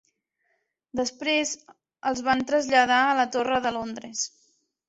Després, els van traslladar a la Torre de Londres.